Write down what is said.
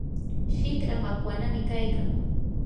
shikra makwanami kaykan.